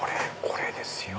これですよ。